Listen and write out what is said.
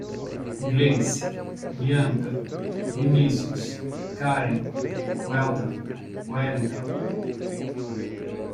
Gleice, Bianca, Vinicios, Karen, Welton e Wellinton